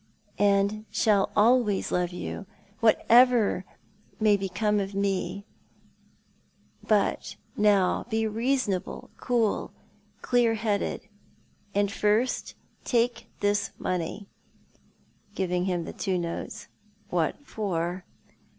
"And shall always love you, whatever may become of mc. But now be reasonable, cool, clear headed. And first, take this money," giving him the two notes. " What for?